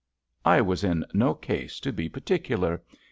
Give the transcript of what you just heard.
I was in no case to be particular.